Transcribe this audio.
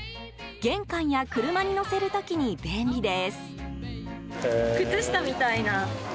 玄関や車に載せる時に便利です。